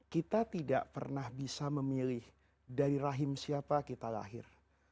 kita tidak pernah bisa memilih dari rahim siapa kita lahir